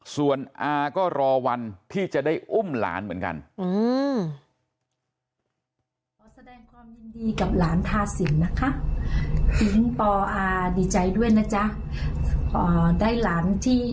ส่วนอาก็รอวันที่จะได้อุ้มหลานเหมือนกัน